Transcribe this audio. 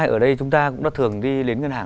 ở đây chúng ta cũng đã thường đi đến ngân hàng